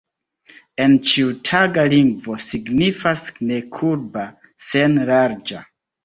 En ĉiutaga lingvo signifas ne kurba, sen larĝa.